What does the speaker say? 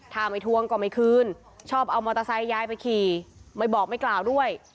ถ้าไม่ทวงก็ไม่คืนชอบเอามอเตอร์ไซค์ยายไปขี่ไม่บอกไม่กล่าวด้วย